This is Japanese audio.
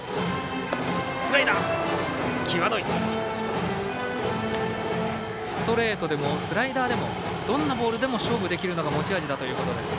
ストレートでもスライダーでもどんなボールでも勝負できるのが持ち味だということです。